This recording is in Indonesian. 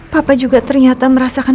papa juga ternyata merasakan